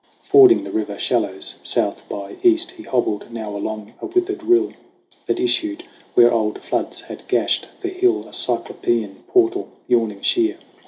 Fording the river shallows, south by east He hobbled now along a withered rill That issued where old floods had gashed the hill A cyclopean portal yawning sheer.